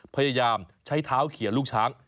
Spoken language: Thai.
พยายามใช้เท้าเขียนลูกช้าง